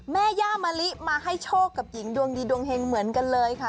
แม่ย่ามะลิมาให้โชคกับหญิงดวงดีดวงเฮงเหมือนกันเลยค่ะ